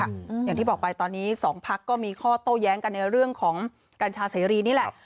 อย่างที่บอกไปตอนนี้สองพักก็มีข้อโต้แย้งกันในเรื่องของกัญชาเสรีนี่แหละ